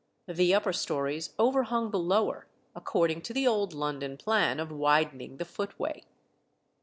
The upper stories overhung the lower, according to the old London plan of widening the footway.